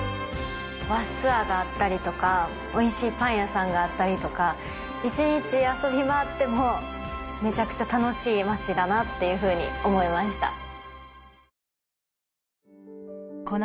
バスツアーがあったりとかおいしいパン屋さんがあったりとか一日遊び回ってもめちゃくちゃ楽しいまちだなっていうふうに思いました